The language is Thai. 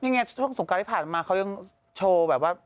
นี่ไงช่วงสงการที่ผ่านมาเขายังโชว์แบบว่า